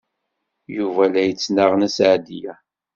Yuba la yettnaɣ Nna Seɛdiya.